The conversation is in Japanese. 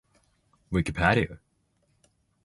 ウィキペディア